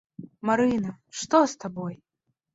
Марына, што з табой?